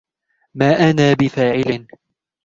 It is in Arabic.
مَا أَنَا بِفَاعِلٍ